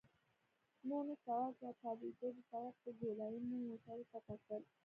نور نو سړک راتاوېده، د سړک پر ګولایې مو موټرو ته وکتل.